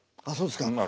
そうですか。